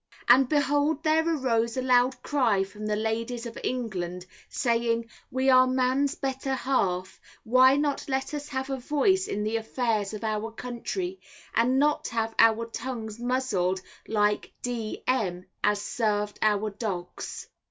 And behold there arose a loud cry from the ladies of England, saying, we are man's better half, why not let us have a voice in the affairs of our country, and not have our tongues muzzled like D M as served our dogs.